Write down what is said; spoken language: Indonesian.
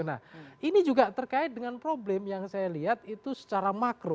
nah ini juga terkait dengan problem yang saya lihat itu secara makro